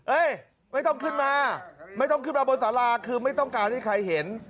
ไม่ต้องขึ้นมาไม่ต้องขึ้นมาบนสาราคือไม่ต้องการให้ใครเห็น